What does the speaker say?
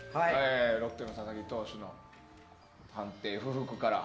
ロッテの佐々木投手の判定不服から。